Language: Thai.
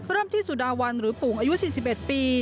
เริ่มที่สุดาวันหรือปุ่งอายุ๔๑ปี